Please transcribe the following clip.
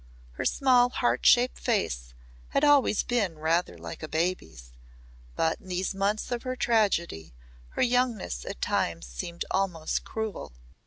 Her small heart shaped face had always been rather like a baby's, but in these months of her tragedy, her youngness at times seemed almost cruel.